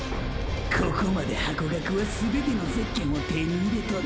ここまでハコガクは全てのゼッケンを手に入れとる。